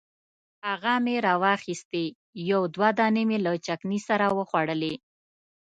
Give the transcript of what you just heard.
هغه مې راواخیستې یو دوه دانې مې له چکني سره وخوړلې.